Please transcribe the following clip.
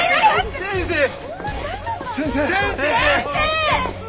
先生！